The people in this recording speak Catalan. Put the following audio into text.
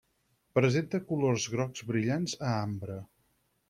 Presenta colors grocs brillants a ambre.